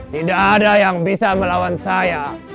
tidak ada yang bisa melawan saya